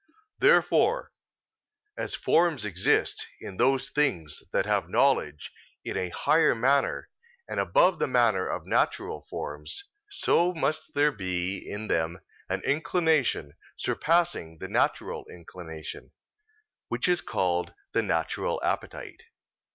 Therefore, as forms exist in those things that have knowledge in a higher manner and above the manner of natural forms; so must there be in them an inclination surpassing the natural inclination, which is called the natural appetite.